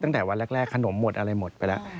ตั้งแต่วันแรกขนมหมดอะไรหมดไปแล้ว